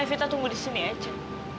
kita tunggu di sini aja